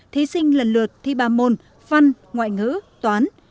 thí sinh lần lượt thi ba môn văn ngoại ngữ toán